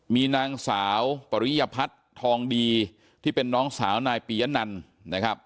มีนางสาวปริยพัฒน์ทองดีที่เป็นน้องสาวนายปียะนันนะครับ